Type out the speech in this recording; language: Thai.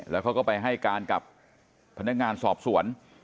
แล้วเขาก็ไปให้การกับพนักงานสอบสวน